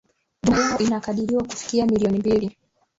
jumla yao inakadiriwa kufikia milioni mbili